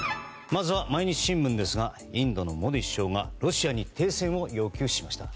まずは毎日新聞ですがインドのモディ首相がロシアに停戦を要求しました。